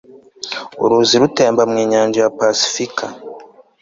uruzi rutemba mu nyanja ya pasifika